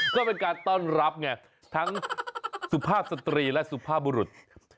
ก็เป็นการต้อนรับไงทั้งสุภาพสตรีและสุภาพบุรุษ